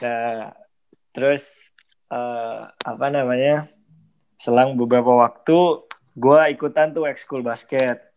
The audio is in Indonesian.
nah terus apa namanya selang beberapa waktu gue ikutan tuh exchool basket